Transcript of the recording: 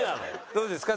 どうですか？